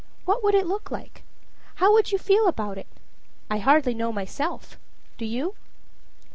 What would it look like? How would you feel about it? I hardly know myself. Do you?